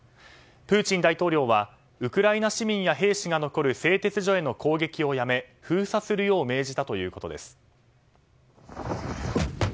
プーチン大統領はウクライナ市民や兵士が残る製鉄所への攻撃をやめ封鎖するよう命じたということです。